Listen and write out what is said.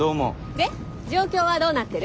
で状況はどうなってる？